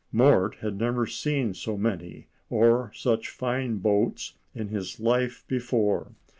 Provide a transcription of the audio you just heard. Mort had never seen so many or such fine boats in his life before.